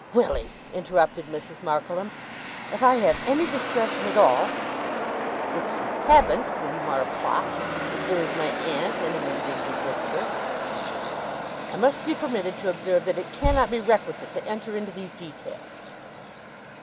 'Really,' interrupted Mrs. Markleham, 'if I have any discretion at all ' ['Which you haven't, you Marplot,' observed my aunt, in an indignant whisper.) 'I must be permitted to observe that it cannot be requisite to enter into these details.